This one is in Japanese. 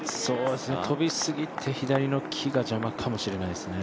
飛びすぎて後ろの木が邪魔かもしれないですね。